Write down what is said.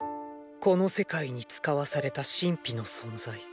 この世界に遣わされた神秘の存在。